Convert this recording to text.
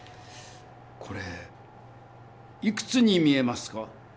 これいくつに見えますか？